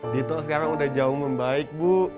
dito sekarang udah jauh membaik bu